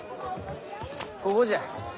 ここじゃ。